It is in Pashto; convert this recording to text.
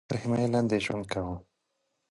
د روسیې تر حمایې لاندې ژوند کاوه.